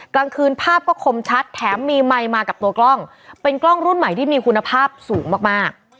กลางคืนภาพก็คมชัดแถมมีไมค์มากับตัวกล้องเป็นกล้องรุ่นใหม่ที่มีคุณภาพสูงมากมาก